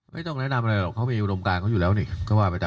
ไม่ต้องแนะนำอะไรหรอกเขามีอุดมการเขาอยู่แล้วนี่ก็ว่าไปตาม